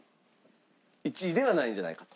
１位ではないんじゃないかと。